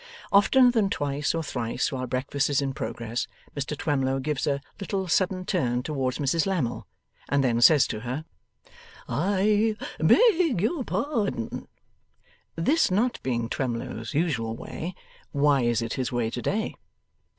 Oftener than twice or thrice while breakfast is in progress, Mr Twemlow gives a little sudden turn towards Mrs Lammle, and then says to her, 'I beg your pardon!' This not being Twemlow's usual way, why is it his way to day?